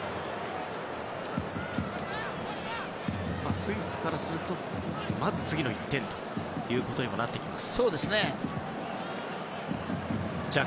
スイスからするとまず次の１点となってきます。